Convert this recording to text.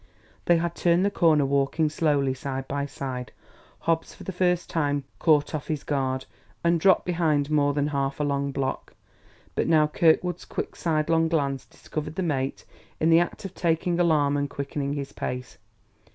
They had turned the corner, walking slowly, side by side; Hobbs, for the first time caught off his guard, had dropped behind more than half a long block. But now Kirkwood's quick sidelong glance discovered the mate in the act of taking alarm and quickening his pace.